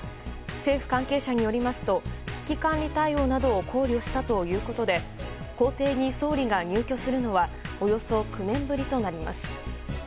政府関係者によりますと危機管理対応などを考慮したということで公邸に総理が入居するのはおよそ９年ぶりとなります。